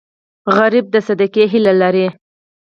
سوالګر د صدقې هیله لري